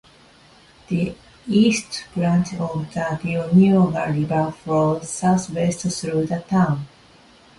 The East Branch of the Tioughnioga River flows southwest through the town.